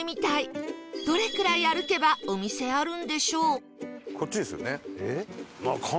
どれくらい歩けばお店あるんでしょう？